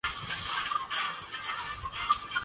سعودی عرب خواتین کو کاروبار کرنے کی اجازت دے دی گئی